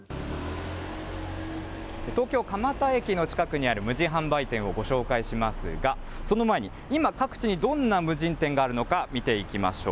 東京・蒲田駅の近くにある無人販売店をご紹介しますが、その前に、今各地にどんな無人店があるのか、見ていきましょう。